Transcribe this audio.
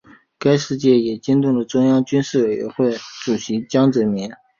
该事件也惊动了中央军事委员会主席江泽民。